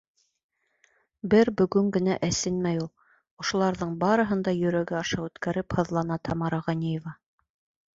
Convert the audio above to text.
Бер бөгөн генә әсенмәй ул. Ошоларҙың барыһын да йөрәге аша үткәреп һыҙлана Тамара Ғәниева.